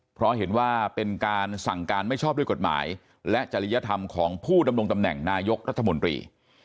เพราะเห็นว่าเป็นการสั่งการไม่ชอบด้วยกฎหมายและจริยธรรมของผู้ดำรงตำแหน่งนายกรัฐมนตรี